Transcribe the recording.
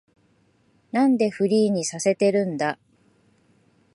なんでフリーにさせてるんだ